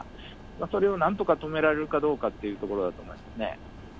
それをなんとか止められるかどうかというところだと思いますね。